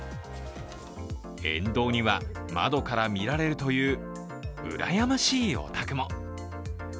沿道には窓から見られるという、うらやましいお宅も。